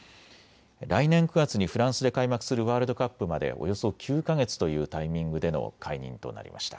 来年９月にフランスで開幕するワールドカップまでおよそ９か月というタイミングでの解任となりました。